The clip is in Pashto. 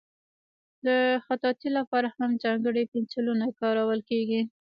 د خطاطۍ لپاره هم ځانګړي پنسلونه کارول کېږي.